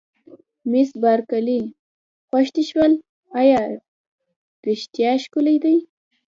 مس بارکلي: خوښ دې شول، ایا رښتیا ښکلي دي؟